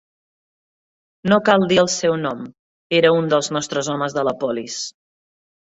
No cal dir el seu nom, era un dels nostres homes de la polis